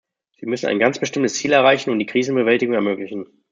Sie müssen ein ganz bestimmtes Ziel erreichen und die Krisenbewältigung ermöglichen.